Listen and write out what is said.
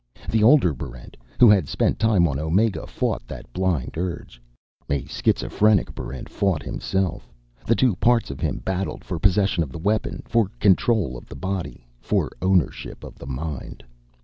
The older Barrent who had spent time on Omega fought that blind urge. A schizophrenic Barrent fought himself. The two parts of him battled for possession of the weapon, for control of the body, for ownership of the mind.